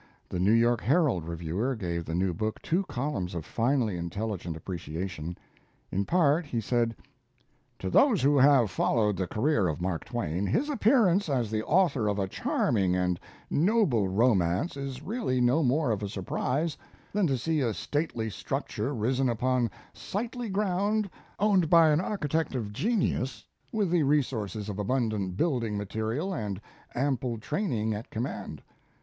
The New York Herald reviewer gave the new book two columns of finely intelligent appreciation. In part he said: To those who have followed the career of Mark Twain, his appearance as the author of a charming and noble romance is really no more of a surprise than to see a stately structure risen upon sightly ground owned by an architect of genius, with the resources of abundant building material and ample training at command.